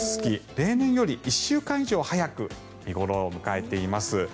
例年より１週間以上早く見頃を迎えています。